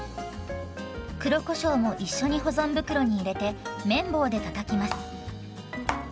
黒こしょうも一緒に保存袋に入れて麺棒でたたきます。